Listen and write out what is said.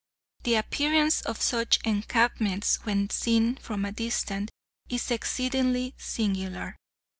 The appearance of such encampments, when seen from a distance, is exceedingly singular.